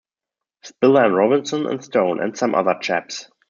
Spiller and Robinson and Stone, and some other chaps.